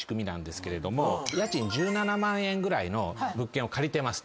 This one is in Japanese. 家賃１７万円ぐらいの物件を借りてますと。